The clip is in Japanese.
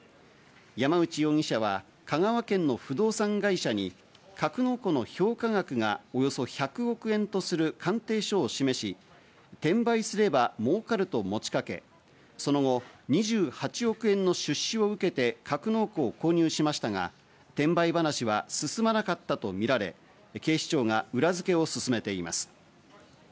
山内容疑者は香川県の不動産会社に格納庫の評価額がおよそ１００億円とする鑑定書を示し、転売すれば儲かると持ちかけ、その後２８億円の出資を受けて、格納庫を購入しましたが、転売話は進まなかったとみられ、警視庁が裏付けを進めています。